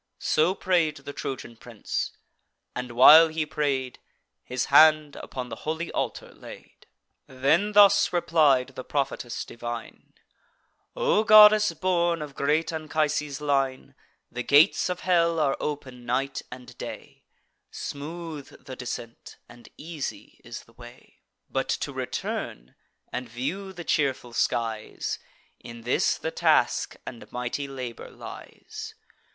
So pray'd the Trojan prince, and, while he pray'd, His hand upon the holy altar laid. Then thus replied the prophetess divine: "O goddess born of great Anchises' line, The gates of hell are open night and day; Smooth the descent, and easy is the way: But to return, and view the cheerful skies, In this the task and mighty labour lies.